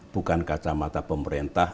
bukan kacamata pemerintah